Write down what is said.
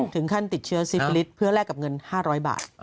ถึงขั้นติดเชื้อซิฟิลิสเพื่อแลกกับเงิน๕๐๐บาท